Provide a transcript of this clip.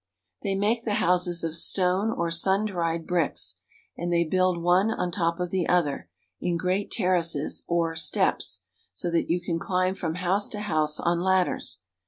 They make the houses of stone or sun dried bricks, and they build one on top of the other, in great terraces or steps, so that you can chmb from house to house on lad ders.